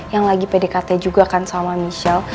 yang lagi pdkt juga kan sama michelle